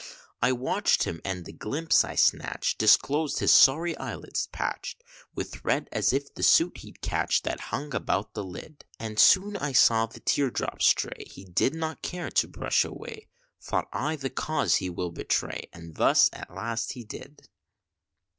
I watched him and the glimpse I snatched Disclosed his sorry eyelids patch'd With red, as if the soot had catch'd That hung about the lid; And soon I saw the tear drop stray, He did not care to brush away; Thought I, the cause he will betray And thus at last he did.